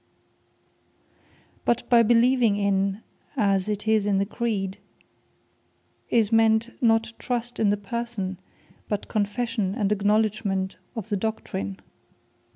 But by Beleeving In, as it is in the Creed, is meant, not trust in the Person; but Confession and acknowledgement of the Doctrine.